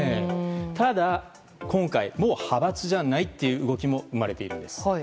ただ、今回もう派閥じゃないっていう動きも生まれているんです。